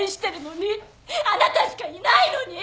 あなたしかいないのに！